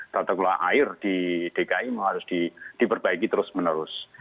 tata kelola air di dki harus diperbaiki terus menerus